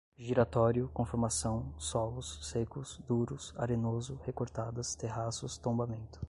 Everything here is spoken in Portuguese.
giratório, conformação, solos, secos, duros, arenoso, recortadas, terraços, tombamento